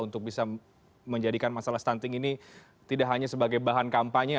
untuk bisa menjadikan masalah stunting ini tidak hanya sebagai bahan kampanye